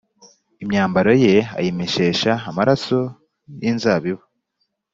Imyambaro ye ayimeshesha amaraso y inzabibu